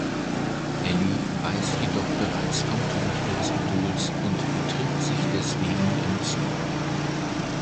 Ellie weiß jedoch bereits vom Tod ihres Idols und betrinkt sich deswegen im Zug.